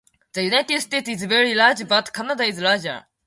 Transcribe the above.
The United States is very large, but Canada is larger.